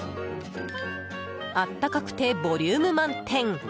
温かくてボリューム満点！